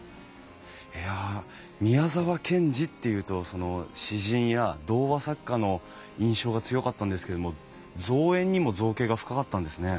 いや宮沢賢治っていうと詩人や童話作家の印象が強かったんですけれども造園にも造詣が深かったんですね。